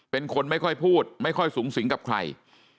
เป็นคนไม่ค่อยพูดไม่ค่อยสูงสิงกับใคร